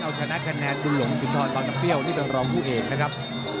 เอาชนะคะแนนบุญหลงสุนทรบางน้ำเปรี้ยวนี่เป็นรองผู้เอกนะครับ